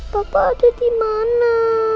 bapak ada dimana